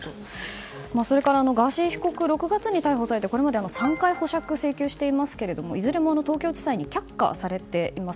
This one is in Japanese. それから、ガーシー被告６月に逮捕されてこれまで３回保釈請求していますけどもいずれも東京地裁に却下されています。